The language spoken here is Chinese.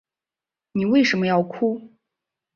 妳为什么要哭